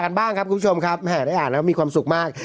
แหนบริการมีความสุขมาก